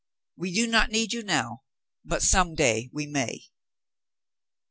We do not need you now, but some day we may."